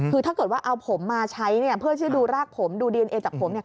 คือถ้าเกิดว่าเอาผมมาใช้เพื่อช่วยดูรากผมดูดีเอนเอจากผม